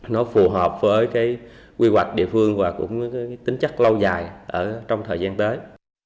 nó phù hợp với cái quy hoạch địa phương và cũng cái tính chất lâu dài trong thời gian tới